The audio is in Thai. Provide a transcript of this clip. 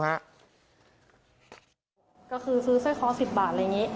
ก็คือซื้อสร้อยคอ๑๐บาทอะไรอย่างนี้